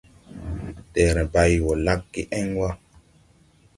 Deere bàyn bay wɔ lagge en wa.